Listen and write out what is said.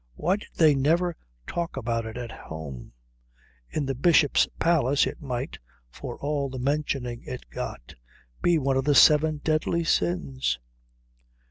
Why did they never talk about it at home? In the Bishop's Palace it might, for all the mentioning it got, be one of the seven deadly sins.